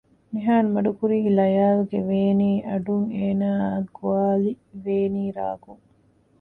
ނިހާން މަޑުކުރީ ލަޔާލުގެ ވޭނީ އަޑުން އޭނައަށް ގޮވާލި ވޭނީ ރާގުން